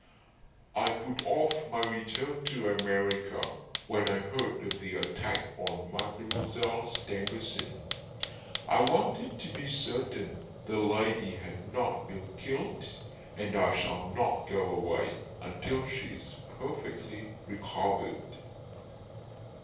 "I put off my return to America when I heard of the attack on Mademoiselle Stangerson. I wanted to be certain the lady had not been killed, and I shall not go away until she is perfectly recovered."